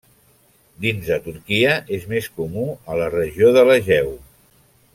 Dins de Turquia és més comú a la Regió de l'Egeu.